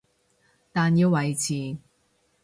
但要維持